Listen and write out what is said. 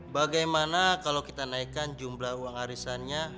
bagaimana kalau kita naikkan jumlah uang arisannya